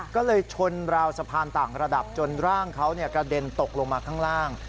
ก็เลยชนราวสะพานต่างระดับจนร่างเขากระเด็นตกลงมาข้างล่าง